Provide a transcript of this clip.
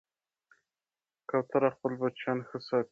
کوتره خپل بچیان ښه ساتي.